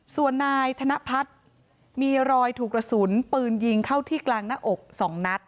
ส่วนนายธนพัฒน์มีรอยถูกกระสุนปืนยิงเข้าที่กลางหน้าอก๒นัด